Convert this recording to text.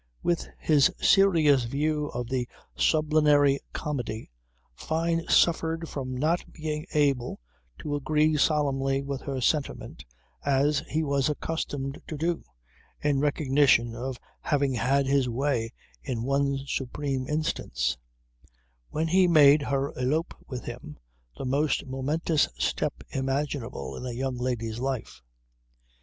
With his serious view of the sublunary comedy Fyne suffered from not being able to agree solemnly with her sentiment as he was accustomed to do, in recognition of having had his way in one supreme instance; when he made her elope with him the most momentous step imaginable in a young lady's life.